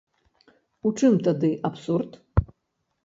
У чым тады абсурд?